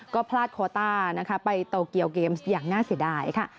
ก็พลาดโคต้านะคะไปโตเกียวเกมส์อย่างน่าเสียดายค่ะ